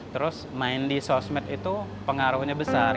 terus main di sosmed itu pengaruhnya besar